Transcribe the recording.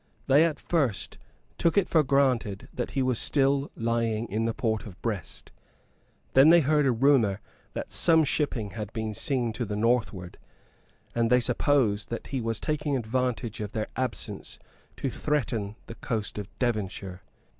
They at first took it for granted that he was still lying in the port of Brest. Then they heard a rumour that some shipping had been seen to the northward; and they supposed that he was taking advantage of their absence to threaten the coast of Devonshire.